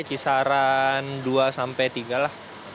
kisaran dua sampai tiga lah